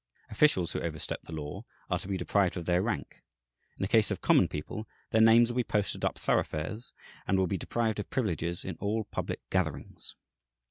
Officials who overstep the law are to be deprived of their rank. In the case of common people, "their names will be posted up thoroughfares, and will be deprived of privileges in all public gatherings."